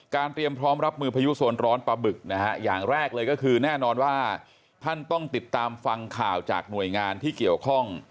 เตรียมพร้อมรับมือพายุโซนร้อนปลาบึกนะฮะอย่างแรกเลยก็คือแน่นอนว่าท่านต้องติดตามฟังข่าวจากหน่วยงานที่เกี่ยวข้อง